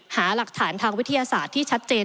หาหลักฐานทางวิทยาศาสตร์ที่ชัดเจน